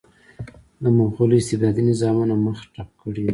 د مغولو استبدادي نظامونو مخه ډپ کړې وه.